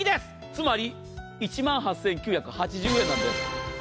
つまり１万８９８０円なんです。